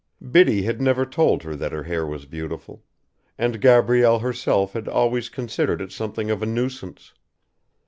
Biddy had never told her that her hair was beautiful, and Gabrielle herself had always considered it something of a nuisance.